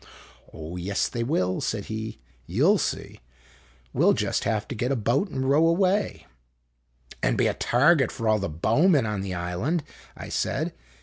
" Oh, yes, they will," said he. " You will see. We '11 just get into a boat and row away." "And be a target for all the bowmen in the island!" I said.